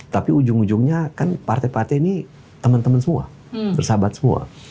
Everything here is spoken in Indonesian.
tapi ujung ujungnya kan partai partai ini teman teman semua bersahabat semua